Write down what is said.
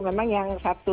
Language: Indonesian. memang yang satu